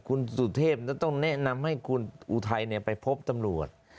คุณสุเทพต้องแนะนำให้คุณอุทัยไปพบตำรวจ